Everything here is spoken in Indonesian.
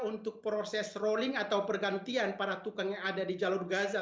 untuk proses rolling atau pergantian para tukang yang ada di jalur gaza